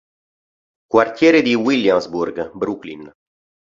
Quartiere di Williamsburg, Brooklyn.